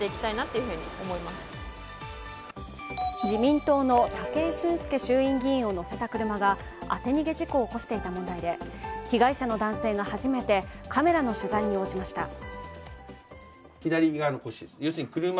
自民党の武井俊輔衆院議員を乗せた車が当て逃げ事故を起こしていた問題で被害者の男性が初めてカメラの取材に応じました。